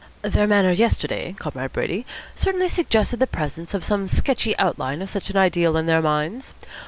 "Their manner yesterday, Comrade Brady, certainly suggested the presence of some sketchy outline of such an ideal in their minds.